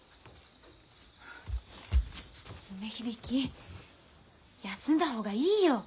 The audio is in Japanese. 梅響休んだ方がいいよ。